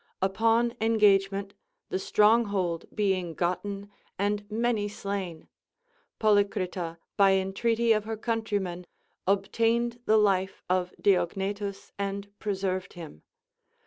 Upon engagement the stronghold being gotten and many slain, Polycrita by entreaty of her countrymen obtained the life of J3iognetus and preserved him.